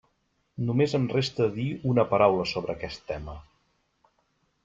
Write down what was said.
Només em resta dir una paraula sobre aquest tema.